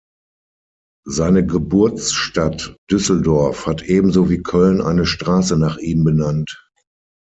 Seine Geburtsstadt Düsseldorf hat ebenso wie Köln eine Straße nach ihm benannt.